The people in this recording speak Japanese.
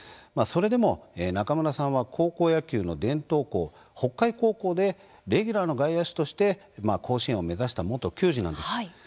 それでも中村さんは高校野球の伝統校北海高校でレギュラーの外野手として甲子園を目指した元球児なんです。